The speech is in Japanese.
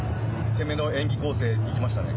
攻めの演技構成ができましたね。